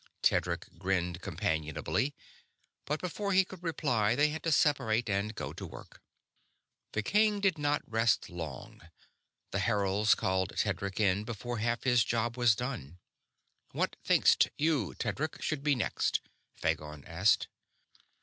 Tedric grinned companionably, but before he could reply they had to separate and go to work. The king did not rest long; the heralds called Tedric in before half his job was done. "What thinkst you, Tedric, should be next?" Phagon asked.